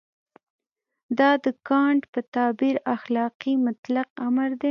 دا د کانټ په تعبیر اخلاقي مطلق امر دی.